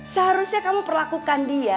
seharusnya kamu perlakukan dia